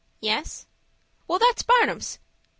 "Yes." "Well, that's Barnum's.